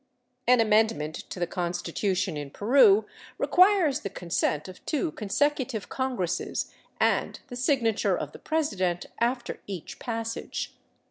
An amendment to the constitution in Peru requires the consent of two consecutive congresses and the signature of the president after each passage.